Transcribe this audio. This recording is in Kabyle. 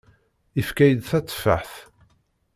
Yefka-yi-d tatteffaḥt.